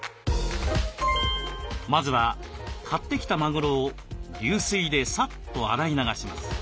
まずは買ってきたマグロを流水でさっと洗い流します。